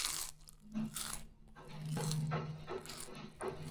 Se movió en los mismos círculos que Mariana Von Martínez y se conocían mutuamente.